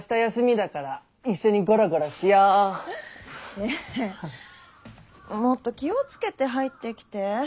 ねえもっと気をつけて入ってきて。